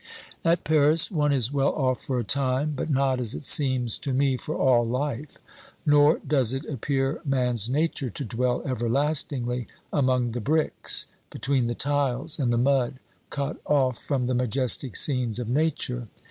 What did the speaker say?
At Paris one is well off for a time, but not, as it seems to me, for all life, nor does it appear man's nature to dwell everlastingly among the bricks, between the tiles and the mud, cut off from the majestic scenes of Nature.